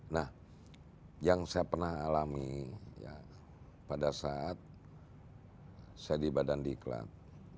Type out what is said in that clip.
nah yang saya pernah alami ya pada saat saya di badan diklat